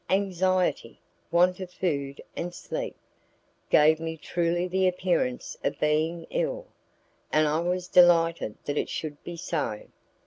Anxiety, want of food and sleep, gave me truly the appearance of being ill, and I was delighted that it should be so.